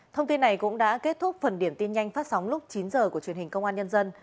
thông tin này cũng đã kết thúc phần điểm tin nhanh phát sóng lúc chín h của truyền hình công an nhân dân